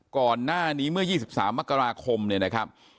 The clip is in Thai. ก่อนหน้านี้เมื่อ๒๓มกราคมเนี่ยนะครับ